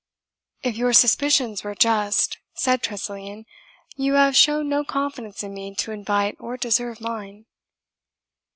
"If your suspicions were just," said Tressilian, "you have shown no confidence in me to invite or deserve mine."